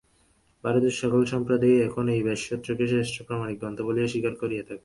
ভারতের সকল সম্প্রদায়ই এখন এই ব্যাসসূত্রকে শ্রেষ্ঠ প্রামাণিক গ্রন্থ বলিয়া স্বীকার করিয়া থাকে।